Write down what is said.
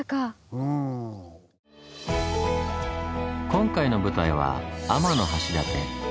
今回の舞台は天橋立。